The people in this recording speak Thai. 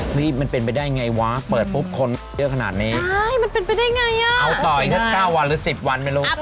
นี่มันเป็นไปได้อย่างไรวะ